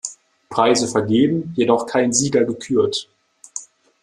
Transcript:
Preise vergeben, jedoch kein Sieger gekürt.